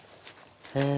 へえ。